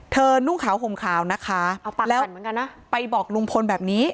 นุ่งขาวห่มขาวนะคะแล้วไปบอกลุงพลแบบนี้